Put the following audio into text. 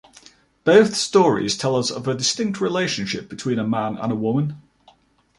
Both stories tell us of a distinct relationship between a man and a woman.